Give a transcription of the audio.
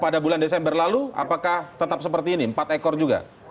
pada bulan desember lalu apakah tetap seperti ini empat ekor juga